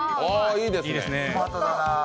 いいですね。